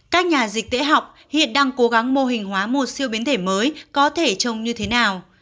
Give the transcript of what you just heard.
các nhà dịch tễ học hiện đang cố gắng mô hình hóa một siêu biến thể mới có thể trông như thế nào